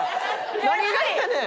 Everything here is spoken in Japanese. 何がやねん。